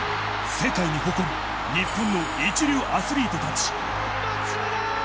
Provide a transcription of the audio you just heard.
世界に誇る日本の一流アスリートたち松島だ！